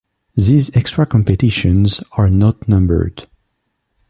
These extra competitions are not numbered.